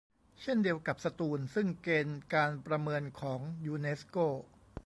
เช่นเดียวกับสตูล ซึ่งเกณฑ์การประเมินของยูเนสโก